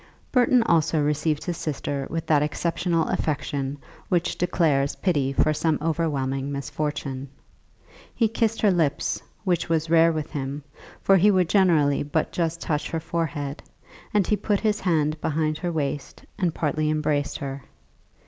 Burton also received his sister with that exceptional affection which declares pity for some overwhelming misfortune. He kissed her lips, which was rare with him, for he would generally but just touch her forehead, and he put his hand behind her waist and partly embraced her.